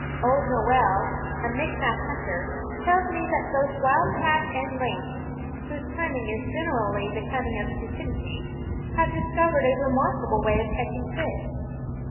Old Noel, a Micmac hunter, tells me that both wildcat and lynx, whose cunning is generally the cunning of stupidity, have discovered a remarkable way of catching fish.